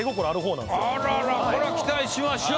あららこれは期待しましょう。